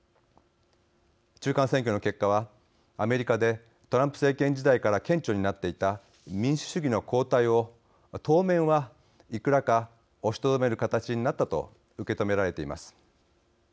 中間選挙の結果はアメリカでトランプ政権時代から顕著になっていた民主主義の後退を当面はいくらか押しとどめる形になったと受け止められています。